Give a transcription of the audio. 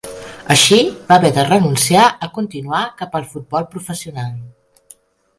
Així va haver de renunciar a continuar cap al futbol professional.